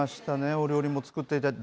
お料理も作っていただいて。